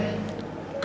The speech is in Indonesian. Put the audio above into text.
ya sudah pak